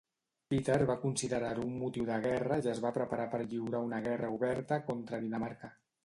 Peter va considerar-ho un motiu de guerra i es va preparar per lliurar una guerra oberta contra Dinamarca.